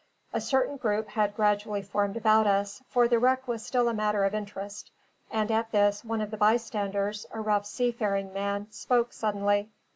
A certain group had gradually formed about us, for the wreck was still a matter of interest; and at this, one of the bystanders, a rough seafaring man, spoke suddenly.